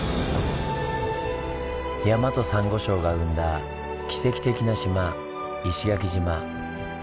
山とサンゴ礁が生んだ奇跡的な島石垣島。